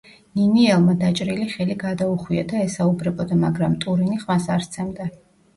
ნინიელმა დაჭრილი ხელი გადაუხვია და ესაუბრებოდა, მაგრამ ტურინი ხმას არ სცემდა.